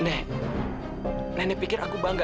pelewet angkat kaki kaki